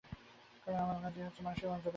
কারণ আমার কাজই হচ্ছে মানুষের মনোজগৎ নিয়ে।